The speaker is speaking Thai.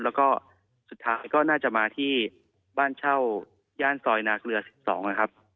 แล้วก็สุดท้ายก็น่าจะมาที่บ้านเช่าย่านซอยนาเกลือ๑๒นะครับ